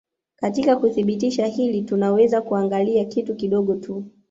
Katika kuthibitisha hili tunaweza kuangalia kitu kidogo tu